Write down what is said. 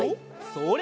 それ！